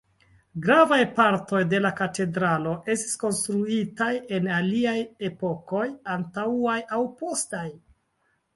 Gravaj partoj de la katedralo estis konstruitaj en aliaj epokoj antaŭaj aŭ postaj.